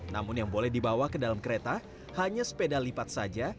namun yang boleh dibawa ke dalam kereta hanya sepeda lipat saja